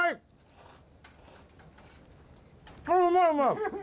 うまいうまい。